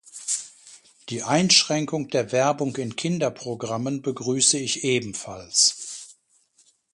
Die Einschränkung der Werbung in Kinderprogrammen begrüße ich ebenfalls.